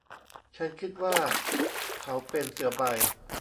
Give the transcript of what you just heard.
ฉันคิดว่าเขาเป็นเสือใบ